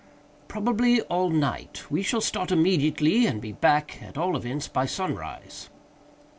"Probably all night. We shall start immediately, and be back, at all events, by sunrise."